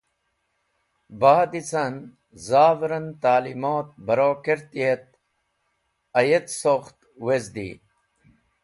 Ba’d ca’n zav’ren ta’limot baro karti et ayet sokht wezdi.